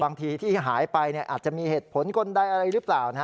บางทีที่หายไปอาจจะมีเหตุผลคนใดอะไรหรือเปล่า